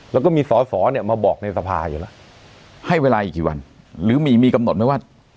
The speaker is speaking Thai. แล้วก็มีสอสอเนี่ยมาบอกในสภาอยู่แล้วให้เวลาอีกกี่วันหรือมีมีกำหนดไหมว่า